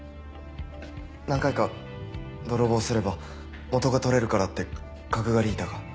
何回か泥棒すれば元が取れるからってカクガリータが。